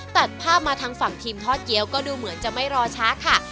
ตัดภาพมาทางฝั่งทีมทอดเกี้ยวก็ดูเหมือนจะไม่รอช้าค่ะ